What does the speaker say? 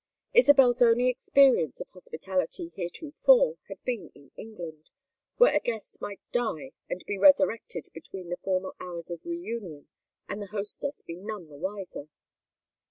Isabel's only experience of hospitality heretofore had been in England, where a guest might die and be resurrected between the formal hours of reunion and the hostess be none the wiser.